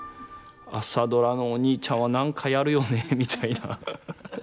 「朝ドラ」のお兄ちゃんは何かやるよねみたいな。